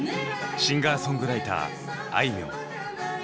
シンガーソングライターあいみょん。